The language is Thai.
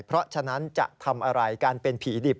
เพราะฉะนั้นจะทำอะไรการเป็นผีดิบ